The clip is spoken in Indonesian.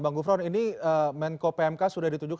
bang gufron ini menko pmk sudah ditunjuk